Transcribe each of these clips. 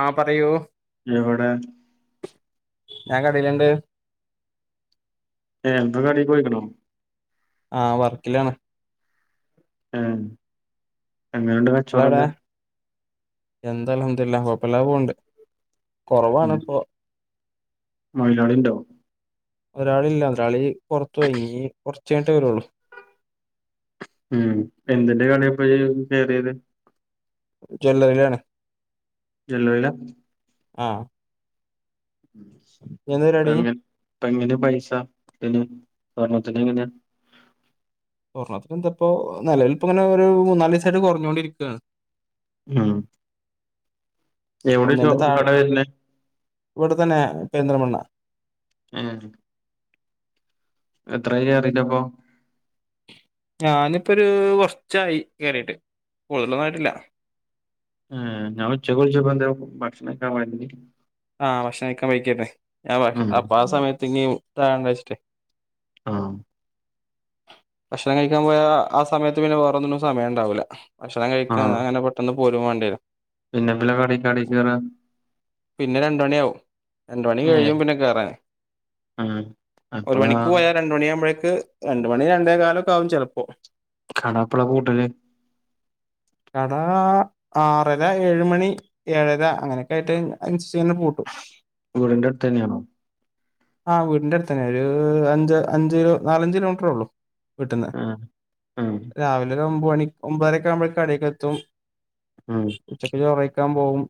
ആ പറയൂ. എവിടെ ഞാൻ കടേല്ണ്ട്. എന്ത് കടേ പോയ്ക്കണൂ. ആ വർക്കിലാണ്. ഏ എങ്ങനേണ്ട് നിങ്ങളെവിടെ കച്ചോടൊക്കെ. ഇതെല്ലാ. കുഴപ്പമില്ലാതെ പോവണ്ട്. കൊറവാണ് ഇപ്പൊ മൊയ്ലാളീണ്ടോ? ഒരാളില്ല. ഒരാള് പുറത്തുപോയി ഇനി കുറച്ചു കഴിഞ്ഞിട്ടാ വരൊള്ളു. ഉം എന്തിന്റെ കടയാ ഈ ഇപ്പെ കയറിയത്. ജ്വല്ലറിയിലാണ്. ജ്വല്ലറിയിലാ. ആ ഇനി എന്താ പരിപാടി എങ്ങനെ ഇപ്പെ എങ്ങനെ പൈസാ ഇപ്പെയ്‌ന്. സ്വർണ്ണത്തിന് എങ്ങനാ. സ്വർണത്തിന് എന്തപ്പോ നിലവിൽ ഇപ്പങ്ങനെ ഒരു മൂന്നാല് ദിവസായിട്ട് കുറഞ്ഞുകൊണ്ടിരിക്കാണ്. ഉം എവിടെ ഷോ ഒന്നിന്റെ താഴെ കട വരുന്നേ ഇവിടെ തന്നെ പെരിന്തൽമണ്ണ. ഏ എത്രയായി കേറീട്ടപ്പോ. ഞാനിപ്പൊരു കുറച്ചായി കേറീട്ട്. കൂടുതലൊന്നായിട്ടില്ല. ആഹ് ഞാൻ ഉച്ചക്കു വിളിച്ചപ്പെന്തോ ഭക്ഷണം കഴിക്കാൻ വേണ്ടി ആ ഭക്ഷണം കഴിക്കാൻ പോയ്ക്കായിരുന്നേ. ഞ ഭക്ഷ ഉം അപ്പൊ ആ സമയത്ത് ഇനി [unintelligible] വെച്ചിടെ ആ ഭക്ഷണം കഴിക്കാൻ പോയാ ആ സമയത്ത് പിന്നെ വേറ ഒന്നിനും സമയം ഉണ്ടാവില്ല. ഭക്ഷണം കഴിക്കാ അങ്ങനെ പെട്ടന്ന് പോരും വേണ്ടിവരും. പിന്നെ എപ്പലാ കടേകടേ കേറ പിന്നെ രണ്ട് മണിയാകും. രണ്ട മണി ഏ കഴിയും പിന്നെ കേറാന്. ആ ഒരു എപ്പളാ മണിക്ക് പോയാ രണ്ട് മണി ആകുമ്പോഴേ കും രണ്ട് മണി രണ്ടേ കാലക്കെ ആകും ചെലപ്പോ. കട എപ്പോഴാ പുട്ടാലേ. കട ആ ആറര, ഏഴുമണി, ഏഴര അങ്ങനെയൊക്കെ ആയിട്ട് അനുസരിച്ച് ഇങ്ങനെ പൂട്ടും വീടിന്റെ അടുത്ത് തന്നെയാണോ ആഹ് വീടിന്റെ അടുത്തന്നെ ഒരു അഞ്ച് അഞ്ച് കിലോ നാലഞ്ച് കിലോമീറ്ററേ ഉള്ളു വീട്ടിന്ന് ആ ആ രാവിലെ ഒരു ഒമ്പ മണി ഒമ്പതരക്കെ ആവുമ്പോ കടേക്കെത്തും ഉം ഉച്ചക്ക് ചോറയ്ക്കാൻ പോവും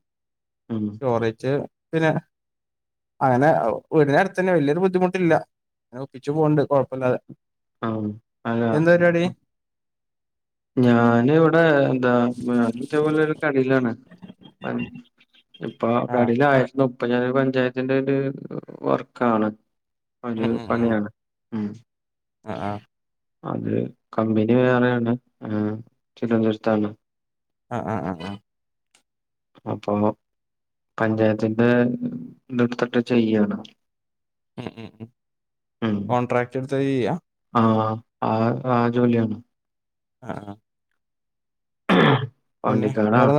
ഉം ചോറയ്ച്ച് പിന്നെ അങ്ങനെ വീടിനടുത്തന്നെ വലിയൊരു ബുദ്ധിമുട്ടില്ല ഇങ്ങനെ ഒപ്പിച്ചു പോകണ്ട് കുഴപ്പല്ലാതെ ആഹ് അതാ ഞാന് ഇവിടെ ന്താ [unintelligible] പോലൊരു കടയിലാണ് പൻ- ഇപ്പൊ ആഹ് കടയിൽ ആയിരുന്നു ഇപ്പം ഞൻ ഒരു പഞ്ചായത്തിന്റെ ഒരു വർക്കാണ് അത് ഉം ഉം ഉം പണിയാണ് ഉം ആഹ് ആഹ് അത് കമ്പനി വേറെയാണ് ആഹ് തിരുവനന്തപുരത്താണ് ആഹ് ആഹ് ആഹ് ആഹ് അപ്പൊ പഞ്ചായത്തിന്റെ ദിട്ത്തിട്ട് ചെയ്യാണ് ഉം ഉം ഉം ഉം കോണ്ട്രക്ട് എടുത്തിട്ട് ചെയ്യാ ആഹ് ആഹ് ആഹ് ജോലിയാ ആഹ് പിന്നെ പാണ്ടിക്കാടാ വേറെ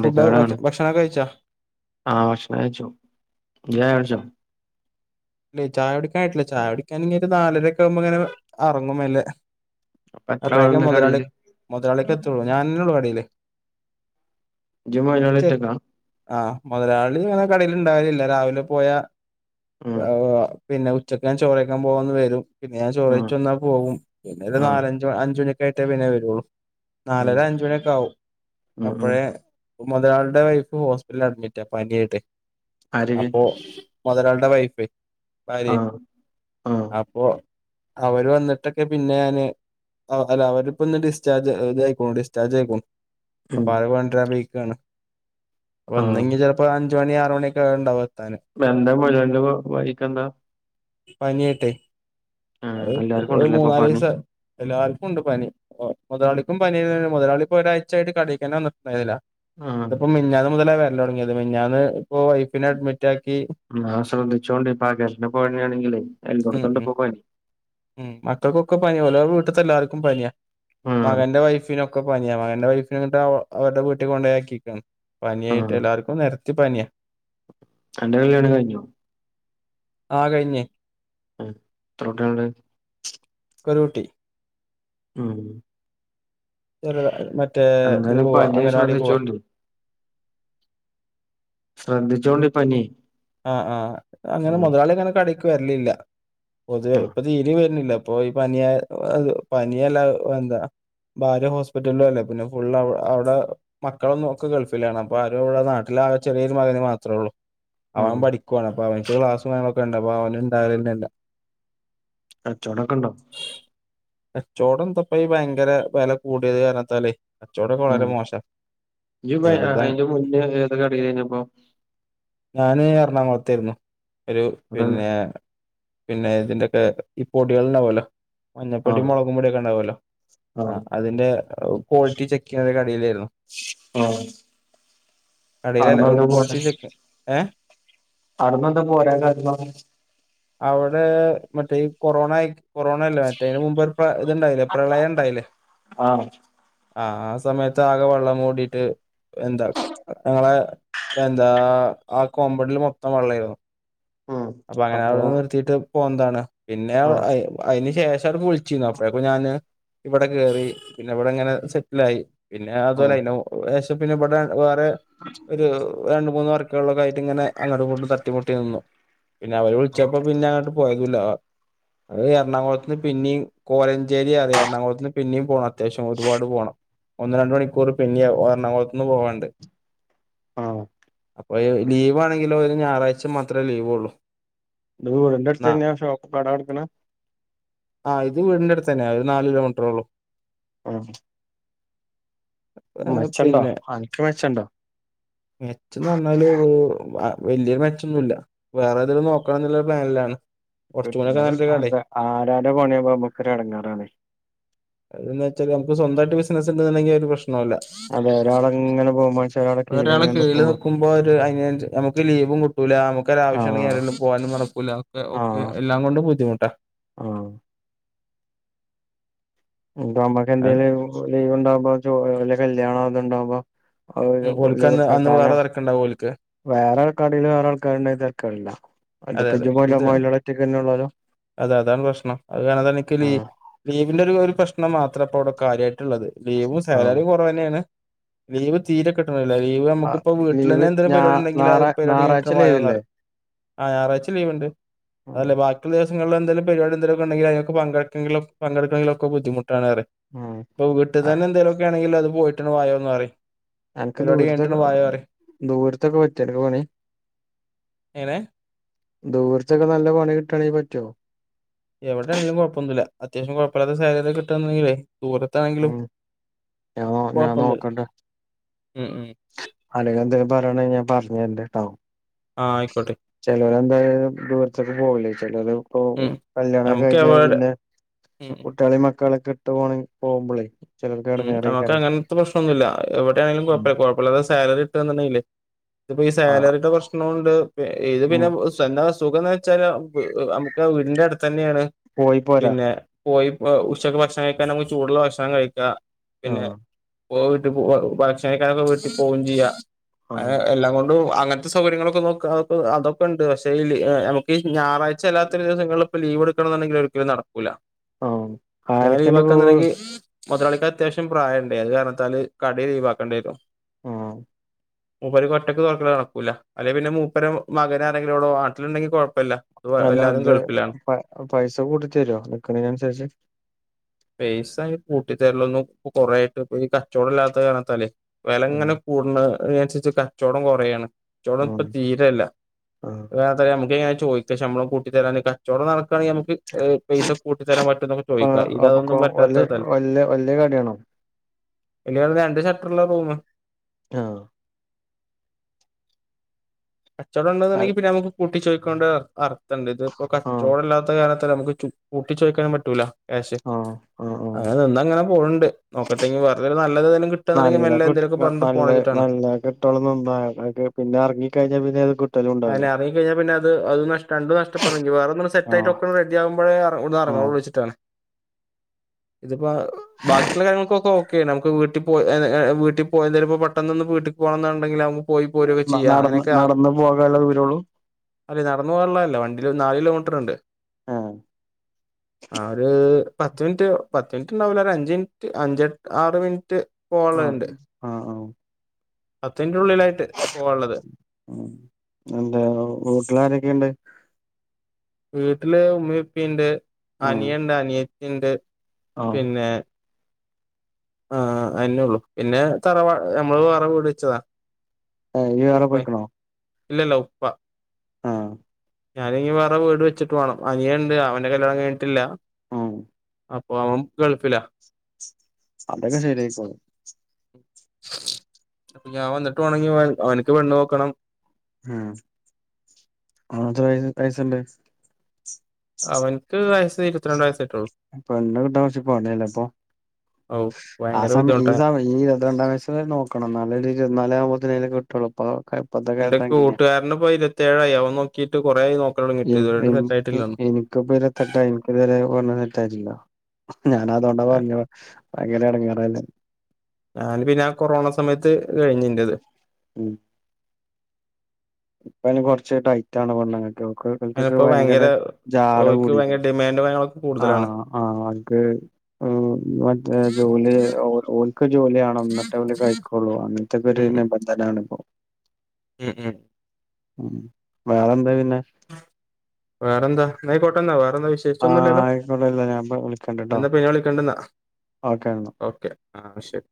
ഫുഡ് ഭക്ഷ ഭക്ഷണൊക്കെ കഴിച്ചാ ആഹ് ഭക്ഷണം കയ്ച്ചു [unintelligible] ഇല്ലെ ചായ കുടിക്കാന്നായിട്ടില്ല ചായ കുടിക്കാൻ ഇനി ഒരു നാലരെക്കെ ആവുമ്പോ അങ്ങനെ അറങ്ങും മെല്ലെ അപ്പൊ എത്ര അപ്പോഴേക്കും ആളുണ്ട് മുതലാളി കടയില് മുതലാളിക്കൊ എത്തുള്ളൂ ഞാന്ന്നുള്ളൂ പണീല് [unintelligible] ആഹ് മുതലാളി അങ്ങനെ കാടെല് ഉണ്ടാവലില്ല രാവിലെ പോയ... ഉം പിന്നെ ഉച്ചയ്ക്ക് ഞാൻ ചോറിയക്കാൻ പോവും ഒന്ന് വരും പിന്നെ ഞാ ഉം ചോറ്യ്ച്ച് വന്നാ പോകും പിന്നെ ആഹ് നാലഞ്ചച് അഞ്ച മണി.. കയറ്റേ പിന്നെ വരുള്ളു ഉം നാലര അഞ്ച മണിയൊക്കെ ആവും ഉം ഉം അപ്പഴേ... മുതലാളിയുടെ വൈഫ് ഹോസ്പിറ്റല അഡ്മിറ്റ ആ പനിയായിട്ടെ ആര്ക്ക് അപ്പോ മുതലളുടെ വൈഫ്... [inaudible] ആര് ആഹ് ആഹ് അപ്പൊ... അവര് വന്നിട്ടൊക്കെ പിന്നെ ഞാന്. അല്ല അവരിപ്പൊ ഇന്ന് ഡിസ്ചാർജ് ഇതെയ്ക്കും ഡിസ്ചാർജ് ആയിക്കും.. ഉം അപ്പൊ ആവരെ കൊണ്ടരാൻ പൊയ് ക്കാണ് ആഹ് ഒന്നെങ്കി ചെലപ്പോ അഞ്ച... അഞ്ചു മണി ആറ് മണിയൊക്കെ ഉണ്ടാവും.. എത്താന് എന്താ മുതലാളിന്റെ ഭാര്യക് എന്താ... പനി ആയിട്ട്... അത് എല്ലാർക്കും ഉണ്ടല്ലേ ഇപ്പൊ മൂന്നാല് പണി ദിവസം എല്ലാർക്കും ഉണ്ട് പനിഓ.. മുതലാളിക്കും പനിയെനെണ് മുതലാളിപ്പൊ ഒരാഴ്ച ആായിട്ട് കടിക്കാനെ വന്ന്‌ട്ട്ണ്ടായില ആഹ് ന്നട്ട് ഇപ്പം മിഞ്ഞാന്ന് മുതലേ വേ.. തുങ്ങിയത് മിഞന്ന് ഇപ്പൊ വൈഫിനെ അഡ്മിറ്റ ആക്കി... ശ്രദിച്ചോണ്ട് പകരുന്ന പനിയാണെങ്കിലെ ഉം എല്ലോടത്തണ്ട് ഇപ്പം പനി... പ്പ പനിയാ ഓലെ വീട്ടത്തെ എല്ലാവർക്കും പനിയാ ഉം മകന്റെ വൈഫിനൊക്കെ... ക്കെ പനിയാ മകൻന്റെ വൈഫിന ഇന്നട്ട് അവരുടെ വീട്ടിൽ കൊണ്ടയാക്കി ക്കാണ് പനിയായിട്ട് ഉം എല്ലാവർക്കും നിര.. ത്തി പ്പാനിയ... അന്റെ കല്ലിയാണം കഴിഞ്ഞോ.. ആ കഴിഞ്ഞ്... ആ എത്ര കുട്ടികൾ ഉണ്ട്... കരോട്ടി ഉം ചെറുത മറ്റേ ഇതില് എന്താലുംപ്പോ പോവാ പനി അംഗൻവാടി പോവാ ശ്രദ്ധിച്ചോണ്ട് ശ്രദ്ധിച്ചോണ്ട് പനി ആഹ് ആ അങ്ങനെ ഉം മുതലാളി അങ്ങനെ കടക്ക് വരലില്ല പൊതുവെ ആഹ് ഇപ്പൊ തീര് വരുന്നില്ല പോയി പനിയ ആ പനിയെല്ലാ എന്താ ഭാര്യ ഹോസ്പിറ്റലും അല്ലേ പിന്നെ ഫുൾ അവിടെ മക്കളൊന്നും ഒക്കെ ഗൾഫിലാണ് അപ്പ ആരും ഇവിടെ നാട്ടില പ്പാകെ ചെറിയൊരു മകന് മാത്രേ ഉള്ളൂ അവൻ ഉം പഠിക്കുവാണ് അപ്പൊ അവനക്ക് ക്ലാസ് കാര്യങ്ങളൊക്കെ ഉണ്ട് അപ്പൊ അവന് ഉണ്ടാകന്നില്ല ആ ചോടക്ക ഉണ്ടോ? കച്ചവടം എന്താപ്പ ഈ ഭയങ്കര വില കൂടിയത് കാരണത്താലേ കച്ചവടൊക്കെ വളരെ മോശ നീ അയിന് മുന്നേ ഏത് കടയിലാരുന്ന്പ്പോ ഞാന് എറണാകുളത്തായിരുന്നു ഒരു ഇവിടെന്നെ പിന്നെ പിന്നെ ഇതിന്റൊക്കെ ഈ പൊടികൾ ഉണ്ടാവല്ലോ മഞ്ഞപ്പൊടിയും ആഹ് മുളകും പൊടിയൊക്കെ ഉണ്ടാവല്ലോ ആ ആഹ് അതിന്റെ ക്വാളിറ്റി ചെക്ക് ചെയ്യുന്ന കടിയിലായിരുന്നു ആഹ് കടയിലല്ല ഒരു അടന്നെന്താ പോന്നെ ക്വാളിറ്റി ചെക്ക് ഏ അവിടുന്ന എന്താ പോരാൻ കാരണമെന്ന് അവിടെ മറ്റേ ഈ കൊറോണായി കൊറോണ അല്ല മറ്റേ അന് മുമ്പ് ഇത്ണ്ടായില്ലേ പ്രളയം ഇണ്ടായില്ലേ ആഹ് ആ ആ സമയത്ത് ആകെ വെള്ളം കൂടിട്ട് എന്താ ഞങ്ങളെ എന്താ ആ കോമ്പണ്ടില് മൊത്തം വെള്ളായിരുന്നു അപ്പൊ അങ്ങനെ അ നിർത്തിയിട്ട് പോന്നതാണ് പിന്നെ ആഹ് അതിന് ശേഷം പക്ഷേ പൊളിച്ചിരുന്നു അപ്പോഴേക്ക് ഞാന് ഇവിടെ കേറി പിന്നെ ഇവിടെങ്ങനെ സെറ്റില് ആയി പിന്നെ അതുപോലെന്നെ വർഷത്തില് പിന്നെ ഇവിടെ വേറെ ഒരു രണ്ട് മൂന്ന് വർക്ക് ഒക്കെള്ളതായിട്ട് ഇങ്ങനെ അങ്ങോടും ഇങ്ങോട്ടും തട്ടിമുട്ടി നിന്നു പിന്നെ അവര് വിളിച്ചപ്പോ പിന്നെ അങ്ങോട്ട് പോയതുംല്ല അവര് എറണാകുളത്തൂന്ന് പിന്നെയും കോഴഞ്ചേരി അറിയാം എറണാകുളത്തൂന്ന് പിന്നെയും പോകണം അത്യാവശ്യം ഒരുപാട് പോകണം ഒന്ന് രണ്ട് മണിക്കൂർ പിന്നെയും ആ എറണാകുളത്തൂന്ന് പോവാണ്ട് ആഹ് ലീവ് ആണെങ്കിലോ ഒരു ഞായറാഴ്ച മാത്രേ ലീവൊള്ളൂ ഇന്റെ വീടിന്റെ അടുത്ത് തന്നെയാ ഷോപ്പ് കട എടുക്കണ ആ ഇത് വീടിന്റെ അടുത്ത് തന്നെയാ നാല് കിലോമീറ്ററേള്ളൂ ആഹ് പിന്നെ അനക്ക് മെച്ചണ്ടോ മെറ്റേന്ന് പറഞ്ഞാല് വലിയൊരു മെച്ചൊന്നുല്ല വേറെതേലും നോക്കണം എന്നുള്ള പ്ലാനിലാണ് കുറച്ചും കൂടിയൊക്കെ കിട്ടുന്നത് നല്ലൊരു കടേ കിട്ടുണുണ്ട് ആരാന്റെ പണിയാവുമ്പോ നമ്മുക്കൊര് എടങ്ങേറാണെ എന്താ വെച്ചാൽ നമുക്ക് സ്വന്തായിട്ട് ബിസിനസ് ഇണ്ടായിരുന്നെങ്കിൽ ഒരു പ്രശ് അതെ ഒരാളിങ്‌ വേറൊരാള് കീഴില് നിക്കുമ്പോ ഒരു അ നമുക്ക് ലീവും കിട്ടൂല നമുക്കൊരാവശ്യ ണ്ടെങ്കിൽ ആഹ് എവിടേലും പോകാനും നടക്കൂല ഒക്കെ ആഹ് എല്ലാം കൊണ്ടും ബുദ്ധിമുട്ടാ ആഹ് ഇതാകുമ്പോ നമുക്ക് എന്തേലും ലീവ്ണ്ടാവുമ്പോ വല്ല കല്യാണോ അത്ണ്ടാവുമ്പോ ഓൽക്ക് ലീവ് അന്ന് അന്ന് എടുക്കാലോ വേറെ തിരക്കുണ്ടാവും ഓൽക്ക് വേറെ കടയിൽ വേറെ ആൾക്കാരുണ്ട് തക്കാറില്ല അതെ അതെ അ ഇത് മളള്ള [unintelligible] അതെ അതാണ് പ്രശ്നം അത് കാരണം എനിക്ക് ലീ ആഹ് ലീവിന്റെ ഒരു കാര്യ പ്രശ് നം മാത്രവിടെ കാര്യമായിട്ടുള്ളത് ലീവും ആഹ് സാലറിം കുറവ് തന്നെയാണ് ലീവ് തീരെ കിട്ട ലീവ് ആഹ് നമുക്കിപ്പ വീട്ടിലന്നെ ലീവ് എന്തെങ്കിലും ഞാ പരിപാടി ഉണ്ടെങ്കിൽ ഞായറാ പരിപാടി ഞായറാഴ്ച കിട്ട്ായോ ലീവില്ലേ പറയും ആറാഴ്ച ലീവ് ഉണ്ട് ഉം അതല്ലേ ബാക്കിയുള്ള ദിസ് ങ്ങളിൽ എന്തേലും പരിപാടി എന്തെലുംക്കെ ഉണ്ടെങ്കി അതിനെപങ്കെടു പങ്കെടുക്കണങ്കിലക്കെ ബുദ്ധിമുട്ട് അപ്പൊ വീട്ടിൽ ആഹ് തന്നെ എന്തേലുമൊക്കെ ആണെങ്കിൽ അത് പോയിട്ടാണ് വായോ ന്ന് യു എനക്ക് പരിപാടി ദൂരത്ത കഴിഞ്ഞിട്ടാണ് ദൂരത്തൊക്കെ പറ്റിയ എടുക്ക പണി നെ ദൂർത്തൊക്കെ നല്ല പണി കിട്ടണെ പറ്റുവോ എവിടെ ആണെങ്കിലും കുഴപ്പൊന്നുമില്ല അത്യാവശ്യം കുഴപ്പമാത്ത സാഹചര്ത കിട്ടുകുണ്ടെങ്കില്ലേ ദൂരത്താണെങ്കിലും ഞാൻോ ഞാൻ കുഴപ്പമൊന്നുമില്ല നോക്കണ്ട ഉം ഉം അലികധ പറയണ ഞാൻ പറഞ്ഞ എന്റെ ട ആഹ ആയിക്കോട്ടെ ചിലരെ എന്തായാലും ദൂരത്തേക്ക് പോകില്ലേ ചിലർ ഇപ്പോ ഉം കല്യാണംക്ക നമുക്ക് കഴിഞ്ഞാല് എവിടെ പിന്നെ ഉം കുട്ടികളി മക്കളൊക്കെ ഇട്ട് പോണെങ്ക പോകുമ്പോളേ ഉം് നമ്മക്ക് അങ്ങനത്തെ പ്രശ്നംൊന്നുമില്ല എവിടെ ആണെങ്കിലും ഉം കുഴപ്പമില്ല കുഴപ്പമില്ലാതെ സാലറി ഇട്ടുകണ്ടെേ ഇതിപ്പോൊ ഈ ആഹ് സാലറിയുടെ പ്രശ്നുണ്ട് ഏത് ഉം പിന്നെന്താ സുഖ എന്ന വെച്ചാൽ നമുക്ക് വീടിന്റെ അടുത്ത് തന്നെയാണ് പോയി പോരാ പിന്നെ പോയി ഉച്ചക്ക് ഭക്ഷണം കഴിക്കാൻ നമുക്ക് ചൂടുള്ള ഭക്ഷണം കഴിക്കാം ആഹ പോട്ട ഭക്ഷണേക്കാരൊക്കെ വീട്ടിൽ പോുകയും ചെയ്യാം ആഹ് അങ്ങനെ എല്ലാം കൊണ്ടും അങ്ങനത്തെ സൗകര്യങ്ങളൊക്കെ നോക്ക അെ അതൊക്കെണ്ട് പക്ഷെേഈ നമുക്ക് ഞായറഴ്ചല്ലത്ത ദിവസങ്ങള ഇൾ ലീവ് എടു ുണ്ടെങ്കിൽ ഒരിക്കലും നടക്കൂല ആഹ് ഞാൻ ഈ ആരൊക്കെണ്ട് പോ വക്കുണ്ടെങ്കി മുതലാളിക്ക് അത്യാവശ്യം പ്രായമണ്ട് ഏത് കാരണാ കയി ലീിവാക്കേണ്ടി വരും ആഹ മൂപ്പ കൊറ്റക്ക് തുറക്ക കണക്കൂല്ല അല്ലെ പിന്നെ മൂപ്പര മകന ആരെങ്കിലും എ ആട്ടിലുണ്ടെങ്കിൽ കുഴപ്പമില്ല ഇത് അല്ല എല്ലാരും ഇന്ത് ഗൾഫിലാണ് പൈസ കൂടുത്ത തരുമോ നിക്കുന്നന് അനുസരിച്ച് പൈസ കട്ടിത്തെരലൊന്നും കൊറോയിട്ട് ഇ ഈ കച്ചവടം ഇല്ലാത്ത കാണത്തല്ലേ വില ഉം ഇങ്ങനെ കൂട അനുരിച്ചച്ച് കച്ചവടം കുറയാണ് കച്ചവടം ഉം ഇപ്പ ആഹ് തീരല്ലത്ര നമുക്ക്ങ്ങ ചോദിക്ക ശമ്പള കൂി തരാനൊക്കെ ചോട നടക്കുകയാണെങ്കിൽ നമുക്ക് പൈസ കൂട്ടിത്തരാൻ പറ്റും എന്നൊക്കെ ആ ചോദിക്കാം ഇതതൊന്നും അപ്പൊക്കൊ വല്യ പറ്റാത്തതല്ല വല്യ വല്യ കടയാണോ ഇല്ല രണ്ട് ഷട്ടർള്ള റൂം ആഹ അൽ കച്ചവടംണ്ടെന്നുണ്ടെങ്കിൽ പിന്നെ നമക്ക് കൂട്ടി ചോദിക്കൊണ്ട് അർത്മണ്ട് ഇതിപ്പോൾ ആഹ് കച്ചവടമല്ലാത്ത കാലത്ത് നമു പൂട്ടിച്ച ചോയ്ക്കാൻ പറ്റൂല ക്യാ് ആഹ് ആഹ് ആഹ് അങ്ങനെ നിന്ന അങ്ങനെ പോകണ്ട് നോക്കട്ടെങ്കിൽ വെറുതെ നല്ലത്ന്തെലിലും കട്ടന്നുണ്ടെങ്കിൽ നല്ല മല്ല കിട്ട് എന്തെങ്കിലും നല്ല നല്ല കിട്ടുണ്ടക്ക് പിന്നെ ഇറങ്ങ കഴിഞ്ഞ അങ്ങെ ഇറങ്ങി കഴിഞ്ഞാ പിന്ന അത് അത് നഷ്ട രണ്ട് നഷ്ടടമെങ്ക വേറെൊന്ന ആഹ് സെറ്റായിട്ട്ക്കെ ഡിയകുമ്പോററങ്ങണം ആഹ് വിളിച്ചിട്ടാണ് ഇതിപ്പോ ബാക്കിയുള്ള കാര്യങ്ങൾക്കൊക്കെ ഓക്കെ നമുക്ക് വീട്ടിൽ പോ വീട്ടിൽ പോ എന്തായാലുംൾ പെട്ടെന്ന്ൊന്ന് വീട്ടക്ക് പോണംെന്നുണ്ടെങ്കിലാവകും പോയി പോരൊക്കെ ന ചെയ്യ നടന്ന് അങ്ങനെയൊക്കെ നടന്ന് പോകാനുള്ള ദൂരൊള്ളൂ അല്ലെ നടന്ന പോള്ളല്ല വണ്ടി നാാല കിലോമീറ്റർ ഉണ്ട് ആഹ ആ ഒരു പത്ത് മിനിറ്റ് പത്ത് മിനിറ്റ് ഉണ്ടാവില്ല അഞ്ച് മിനിറ്റ് അഞ്ചെ ആറ് മിനിറ്റ് ആഹ ആഹ ആഹ അത്ത ുള്ളിലായിട്ട് പോവാനുള്ളത് ഉം എന്താ വീട്ടിലാരൊക്കെയുണ്ട് വീട്ടില് ഉമ്മപ്പിുണ്ട് ആഹ് അനിയണ്ട് അനിയത്തി ഉണ്ട് ആഹ് പിന്നെ ആഹ അേ ഉള്ളു പിന്നെ തറവാ നമ്മള് വേറെ വീട് വെച്ചതാ ഇ വള ഉപ്പ പോയിക്കണോ ഇല്ലല്ല ഉപ്പ ആഹ ഞാന ഇനി വേറെ വീട് വെച്ചിട്ട് വേണം അനിയുണ്ട് അവന്റെ കല്യാണം കഴിട്ടില്ല ഉം അപ്പൊ അവൻ ഗൾഫിലാ [inaudible] അതൊക്കെ ശരിയായിക്കൊളും [inaudible] അപ്പൊ ഞാൻ വന്നിട്ട് [inaudible] അവനിക്ക് പെണ്ണ് നോക്കണം [inaudible] എത്ര വയസ്സ് വയസ്സിണ്ട് [inaudible] അവനിക്ക് വയസ്സ് ഇരുപത്തിരണ്ട് വയസ്സ പെണ്ണ് കിട്ടാൻ കൊറച്ച് പണിയല്ലേ ഇപ്പോ ഔ [inaudible] ആ ഭയങ്കര സമയ ഈ ബുദ്ധിമുട്ടാ സമയം ഈ ഇരുപത്തി രണ്ടാം വയസ്സില് നോക്കണം എന്നാലെ ഇരുപത്തി നാലാം ആവു [unintelligible] കിട്ടുള്ളൂ അപ്പൊ എന്റെ കൂട്ടുകാരൻ ഇപ്പൊ ഇരുപത്തേഴായി അവൻ നോക്കിട്ട് കൊറെയായി നോ എനിക്ക് [unintelligible] ഇരുപതിയെട്ടായി എനിക്ക് ഇതുവരെ പെണ്ണ് സെറ്റായിട്ട് ഇല്ല ഞാൻ അതുകൊണ്ടാ പറഞ്ഞ ഭയങ്കര ഇടങ്ങാറല്ലേ [inaudible] ഞാന് പിന്നെ കൊറോണ സമയത്ത് കഴിഞ്ഞ് ഇന്റെത് ഉം [inaudible] ഇപ്പ അയിന് കുറച്ച് ടൈറ്റ പെണ്ണുങ്ങള് [unintelligible] ഭയങ്കര ജാട ഓൽക്ക് ഭയങ്കര കൂടിയേക്കണ് ഡിമാൻഡും കാര്യങ്ങളൊക്കെ ആ കൂടുതലാണ് ആ അ [unintelligible] മറ്റേ ജോലി ഓൻക്ക് ജോലി വേണം എന്നിട്ടേ അവ [unintelligible] കഴിക്കോളൂ അങ്ങനത്തെ ഉം [unintelligible] ഉം നിബന്ധനം ആണ് ഇപ്പോ ഉം ഉം ഉം വേറെന്താ പിന്നെ വേറെന്താ ന്നാ ആയി [unintelligible] വേറെന്താ വിശേഷിച്ച് ആഹ് ഒന്നുമില്ലല്ലോ ആയിക്കോട്ടെ ഇല്ല ഞാൻ എന്നാ പിന്നെ വിളിക്കണ്ടന്നാ ഒക്കെ എന്നാ [inaudible] ആഹ ശരി [inaudible]